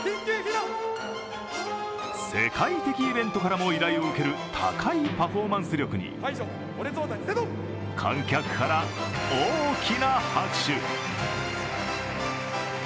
世界的イベントからも依頼を受ける高いパフォーマンス力に観客から大きな拍手。